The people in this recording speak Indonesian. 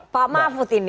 pak mahfud ini